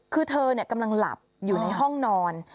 คือเธอกำลังหลับอยู่ในห้องนอน